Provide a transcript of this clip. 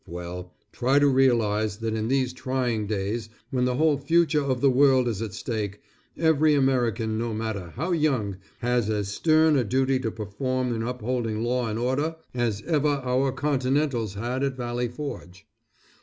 Well, try to realize that in these trying days when the whole future of the world is at stake, every American no matter how young, has as stern a duty to perform in upholding law and order as ever our continentals had at Valley Forge.